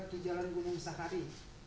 di jalan gumung sahari